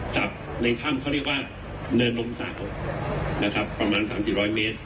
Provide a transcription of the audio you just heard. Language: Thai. จับในถ้ำเขาเรียกว่าเนินนมสาหกนะครับประมาณสามสี่ร้อยเมตร